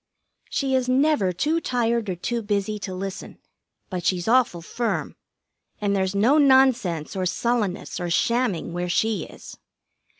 She is never too tired or too busy to listen, but she's awful firm; and there's no nonsense or sullenness or shamming where she is.